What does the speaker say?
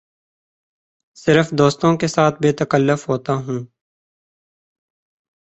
صرف دوستوں کے ساتھ بے تکلف ہوتا ہوں